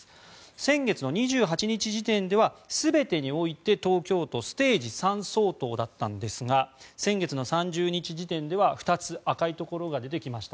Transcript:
先月２８日時点では全てにおいて東京都ステージ３相当だったんですが先月の３０日時点では２つ赤いところが出てきました。